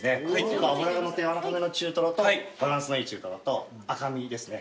脂が乗って軟らかめの中トロとバランスのいい中トロと赤身ですね。